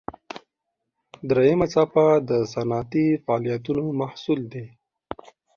دریمه څپه د صنعتي فعالیتونو محصول دی.